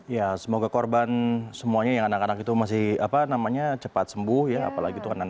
ya semoga korban semuanya yang anak anak itu masih cepat sembuh ya